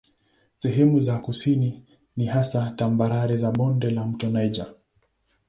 Sehemu za kusini ni hasa tambarare za bonde la mto Niger.